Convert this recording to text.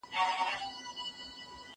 هغه وويل چي چايي څښل ګټور دي!.